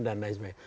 dan lain sebagainya